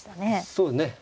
そうですね。